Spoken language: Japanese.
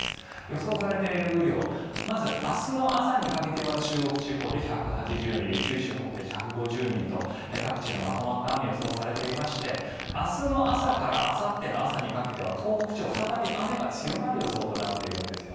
予想されている雨量まず、明日の朝にかけては中国地方で１８０ミリ九州北部で１５０ミリと各地でまとまった雨が予想されていまして明日の朝からあさっての朝にかけては東北地方は再び雨が強まる予想となっているんです。